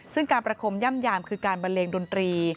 ซึ่งการประคมย่ำคือการเบลงดนตรี